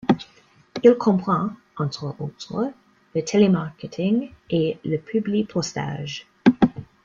Il comprend, entre autres, le télémarketing et le publipostage.